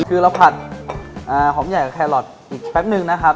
คือเราผัดหอมใหญ่กับแครอทอีกแป๊บนึงนะครับ